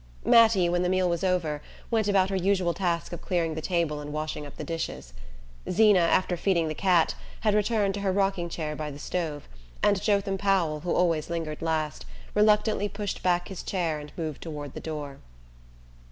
Mattie, when the meal was over, went about her usual task of clearing the table and washing up the dishes. Zeena, after feeding the cat, had returned to her rocking chair by the stove, and Jotham Powell, who always lingered last, reluctantly pushed back his chair and moved toward the door.